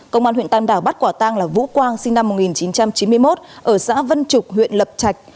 công an huyện tam đảo bắt quả tang là vũ quang sinh năm một nghìn chín trăm chín mươi một ở xã vân trục huyện lập trạch